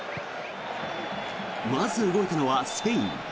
まず動いたのはスペイン。